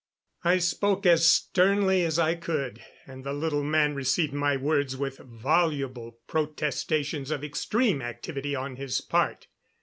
I spoke as sternly as I could, and the little man received my words with voluble protestations of extreme activity on his part.